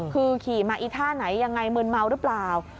คือขี่มาอีท่าไหนยังไงมืนเมาหรือเปล่า